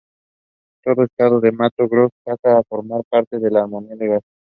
Todo el estado del Mato Grosso pasa a formar parte de la Amazonia legal.